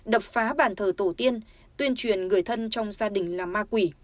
đập phá bàn thờ tổ tiên tuyên truyền người thân trong gia đình là ma quỷ